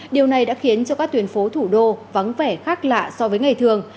điều này đã khiến cho các tuyển phố thủ đô vắng vẻ khác lạ so với ngày thường